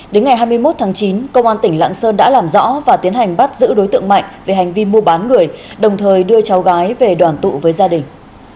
đến ngày hai mươi một tháng chín công an tỉnh lạng sơn đã làm rõ và tiến hành bắt giữ đối tượng mạnh về hành vi mua bán người đồng thời đưa cháu gái về đoàn tụ với gia đình